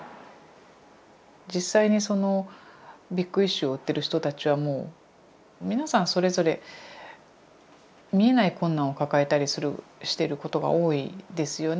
実際に「ビッグイシュー」を売ってる人たちはもう皆さんそれぞれ見えない困難を抱えたりしてることが多いんですよね。